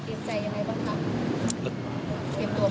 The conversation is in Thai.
เตรียมใจยังไงบ้างครับ